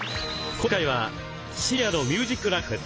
今回はシニアのミュージック・ライフ！